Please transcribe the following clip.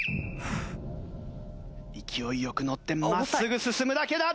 勢い良く乗ってまっすぐ進むだけだ。